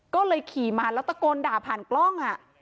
ก็เลยขี่มาแล้วตะโกนด่าผ่านกล้อง